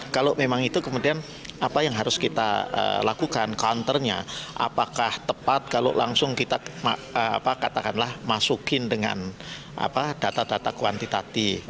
kalau memang itu kemudian apa yang harus kita lakukan counternya apakah tepat kalau langsung kita katakanlah masukin dengan data data kuantitatif